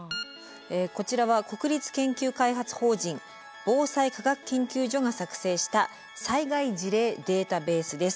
こちらは国立研究開発法人防災科学研究所が作成した災害事例データベースです。